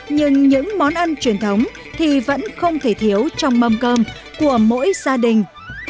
nhưng những món ăn truyền thống thì vẫn không thể thiếu trong mâm cơm của mỗi gia đình